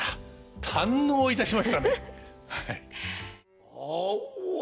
堪能いたしましたね。